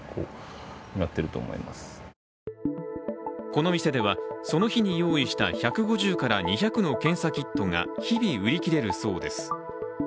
この店では、その日に用意した１５０から２００の検査キットが日々売り切れるそうです。